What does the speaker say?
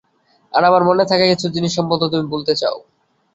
আর আমার মনে থাকা কিছু জিনিস সম্ভবত তুমি ভুলতে চাও।